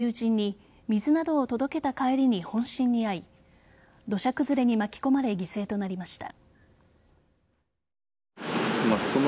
次男・晃さんは熊本地震の前震で被災した友人に水などを届けた帰りに本震に遭い土砂崩れに巻き込まれ犠牲となりました。